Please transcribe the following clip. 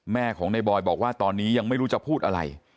แม่ของในบอยบอกว่าตอนนี้ยังไม่รู้จะพูดอะไร